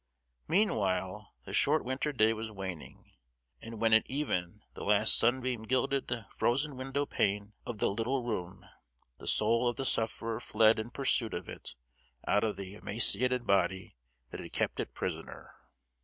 Meanwhile the short winter day was waning! And when at even the last sunbeam gilded the frozen window pane of the little room, the soul of the sufferer fled in pursuit of it out of the emaciated body that had kept it prisoner.